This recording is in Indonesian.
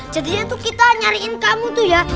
jadinya tuh kita nyariin kamu tuh ya